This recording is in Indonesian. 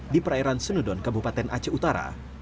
di perairan senudon kabupaten aceh utara